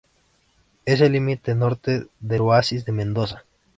Es el límite norte del oasis de Mendoza.